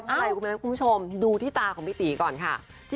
ว่าไงตรงนั้นดูที่ตาของพี่ตี๋ก่อนค่ะ